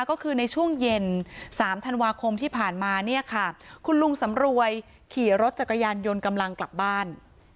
ก็คือในช่วงเย็น๓ธันวาคมที่ผ่านมาเนี่ยค่ะคุณลุงสำรวยขี่รถจักรยานยนต์กำลังกลับบ้าน